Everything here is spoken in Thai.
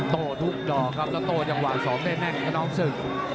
โตทุกดอกครับและโตแจงวาย๒เด้งแน่นขณองศึก